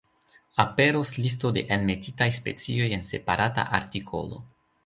Aperos listo de enmetitaj specioj en separata artikolo.